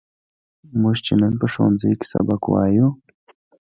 موږ چې نن په ښوونځي کې سبق وایو.